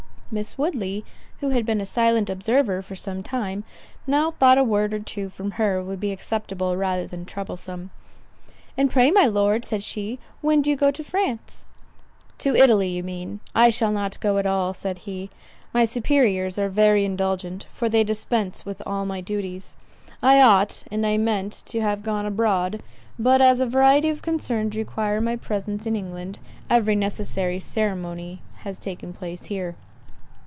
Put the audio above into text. Miss Woodley, who had been a silent observer for some time, now thought a word or two from her would be acceptable rather than troublesome. "And pray, my Lord," said she, "when do you go to France?" "To Italy you mean;—I shall not go at all," said he. "My superiors are very indulgent, for they dispense with all my duties. I ought, and I meant, to have gone abroad; but as a variety of concerns require my presence in England, every necessary ceremony has taken place here."